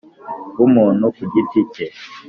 W umuntu ku giti ke